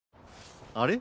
あれ？